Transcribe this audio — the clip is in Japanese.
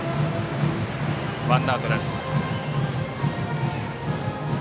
ワンアウトです。